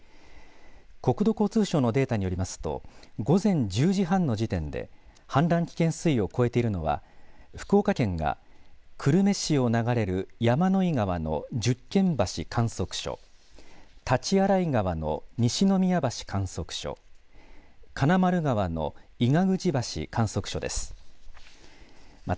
国土交通省のデータによりますと午前１０時半の時点で氾濫危険水位を超えているのは福岡県が久留米市を流れる山ノ井川の十間橋観測所、大刀洗川の西の宮橋観測所、金丸川の飯ヶ